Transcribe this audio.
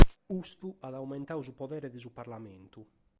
Custu at aumentadu su podere de su parlamentu.